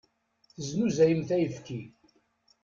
Teznuzayemt ayefki.